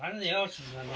そんなの。